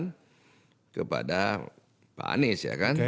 kepada pak anies ya kan